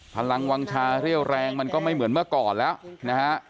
พลังวางชาเรี่ยวแรงมันก็ไม่เหมือนเมื่อก่อนแล้วนะฮะ